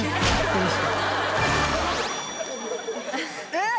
えっ！？